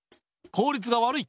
効率が悪い。